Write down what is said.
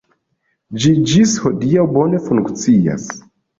Ĝi ĝis hodiaŭ bone funkcias.